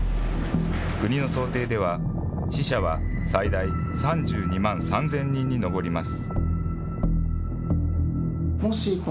国の想定では、死者は最大３２万３０００人に上ります。